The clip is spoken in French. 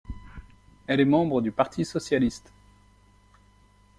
Elle est membre du Parti socialiste.